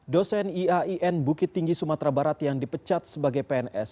dosen iain bukit tinggi sumatera barat yang dipecat sebagai pns